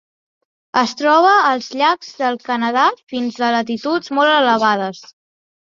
Es troba als llacs del Canadà fins a latituds molt elevades.